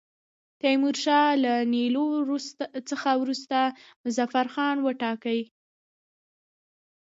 تیمورشاه له نیولو څخه وروسته مظفرخان وټاکی.